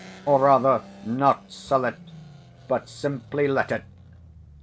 Or rather, not sell it, but simply let it.